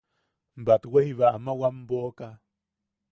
Batwe jiba ama wam boʼoka.